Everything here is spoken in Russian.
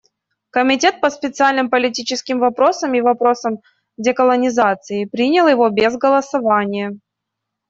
Комитет по специальным политическим вопросам и вопросам деколонизации принял его без голосования.